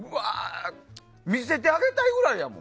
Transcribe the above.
見せてあげたいくらいやもん。